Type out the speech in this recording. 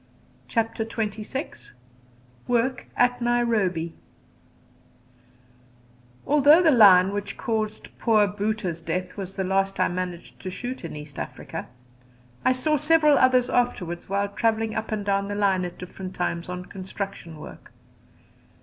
CHAPTER XXVI WORK AT NAIROBI Although the lion which caused poor Bhoota's death was the last I managed to shoot in East Africa, I saw several others afterwards while travelling up and down the line at different times on construction work.